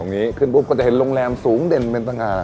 นี้ขึ้นปุ๊บก็จะเห็นโรงแรมสูงเด่นเป็นต่าง